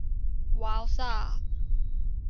ว้าวซ่า